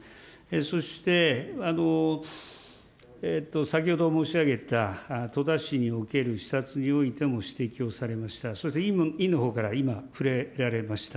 そして、先ほど申し上げた戸田市における視察においても指摘をされました、そして委員のほうから今、触れられました。